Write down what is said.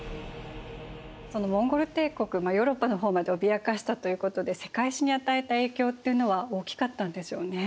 そのモンゴル帝国ヨーロッパの方まで脅かしたということで世界史に与えた影響っていうのは大きかったんでしょうね。